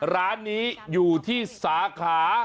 ร้านนี้อยู่ที่สาขา